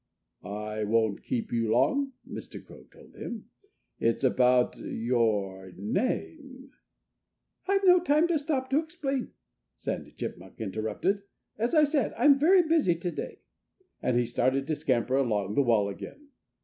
"I won't keep you long," Mr. Crow told him. "It's about your name " "I've no time to stop to explain," Sandy Chipmunk interrupted. "As I said, I'm very busy to day." And he started to scamper along the wall again.